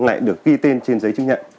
lại được ghi tên trên giấy chứng nhận